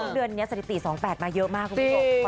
เดือนนี้สถิติ๒๘มาเยอะมากคุณผู้ชม